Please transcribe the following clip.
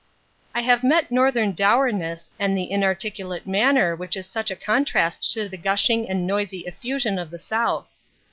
I have met northern dourness and the inarticulate manner which is such a contrast to the gushing and noisy effusion of the south.